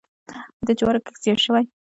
آیا د جوارو کښت زیات شوی؟